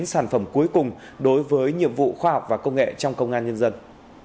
khoán tri đến sản phẩm cuối cùng đối với nhiệm vụ khoa học và công nghệ trong công an nhân dân